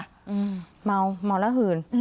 เมาเมาแล้วหื่น